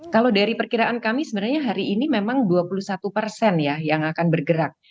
kalau dari perkiraan kami sebenarnya hari ini memang dua puluh satu persen ya yang akan bergerak